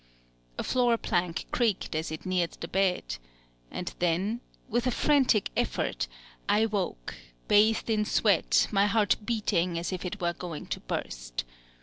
A floor plank creaked as It neared the bed; and then with a frantic effort I woke, bathed in sweat; my heart beating as if it were going to burst.